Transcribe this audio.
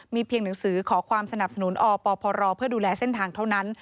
เพียงหนังสือขอความสนับสนุนอปพรเพื่อดูแลเส้นทางเท่านั้น